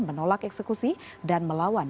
menolak eksekusi dan melawan